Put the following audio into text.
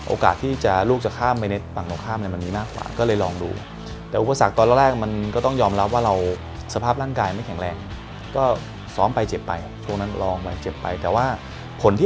โอกาสที่ลูกจะข้ามไปเน็ตผลักน